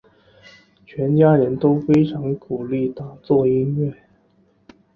全家人都非常鼓励他做音乐。